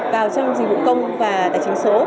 vào trong dịch vụ công và tài chính số